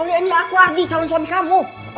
aulia ini aku adi calon suami kamu